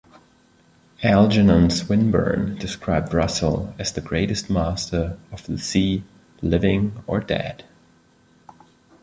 Algernon Swinburne described Russell as the greatest master of the sea, living or dead.